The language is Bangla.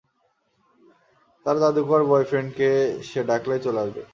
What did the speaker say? তার যাদুকর বয়ফ্রেন্ডকে সে ডাকলেই চলে আসবে।